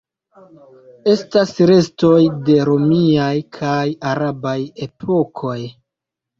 Estas restoj de romiaj kaj arabaj epokoj.